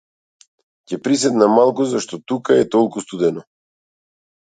Ќе приседнам малку зашто тука е толку студено.